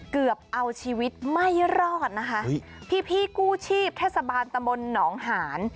เกือบเอาชีวิตไม่รอดนะคะพี่พี่กู้ชีพเทศบาลตำบลหนองหาน